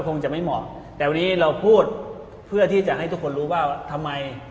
คงจะไม่เหมาะแต่วันนี้เราพูดเพื่อที่จะให้ทุกคนรู้ว่าทำไม